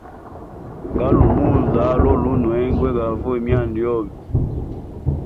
Galua munza lolunwe gwa vuye myanda yobe.